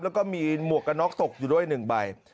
แล้วก็มีหมวกกระน็อกตกอยู่ด้วย๑ใบ